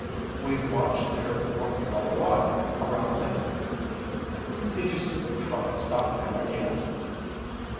"We watched there for quite awhile around midnight." "Did you see the truck stop there again?"